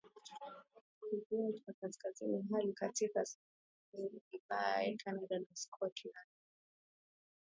Kizio cha Kaskazini hasa katika Scandinavia Kanada na Scotland